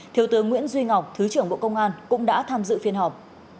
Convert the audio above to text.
thiếu tướng nguyễn duy ngọc thứ trưởng bộ công an cũng đã tham dự phiên họp